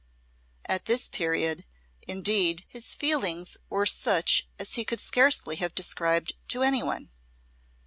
At this period, indeed, his feelings were such as he could scarcely have described to any one.